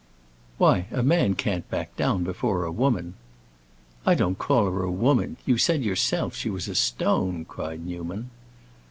"Why, a man can't back down before a woman." "I don't call her a woman. You said yourself she was a stone," cried Newman.